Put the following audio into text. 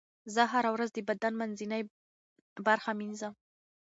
زه هره ورځ د بدن منځنۍ برخه مینځم.